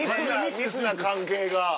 密な関係が。